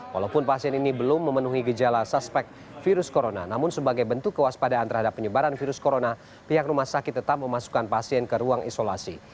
walaupun pasien ini belum memenuhi gejala suspek virus corona namun sebagai bentuk kewaspadaan terhadap penyebaran virus corona pihak rumah sakit tetap memasukkan pasien ke ruang isolasi